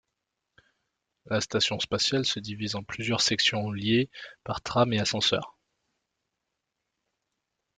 La station spatiale se divise en plusieurs sections liées par trams et ascenseurs.